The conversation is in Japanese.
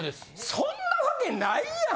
そんな訳ないやん。